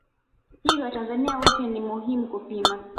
Hivyo watanzania wote ni muhimu kupima